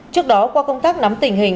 trước đó qua công tác nắm tình hình